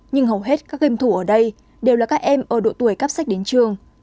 nhưng hầu hết các game thủ ở đây đều là các em ở độ tuổi cắp sách đến trường